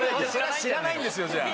知らないんですよじゃあ。